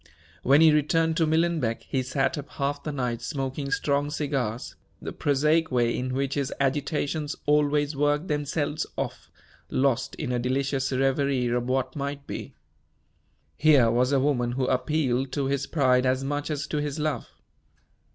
When he returned to Millenbeck, he sat up half the night smoking strong cigars the prosaic way in which his agitations always worked themselves off lost in a delicious reverie of what might be. Here was a woman who appealed to his pride as much as to his love.